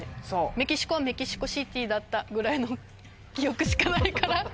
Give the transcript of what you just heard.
メキシコメキシコシティだったぐらいの記憶しかないから。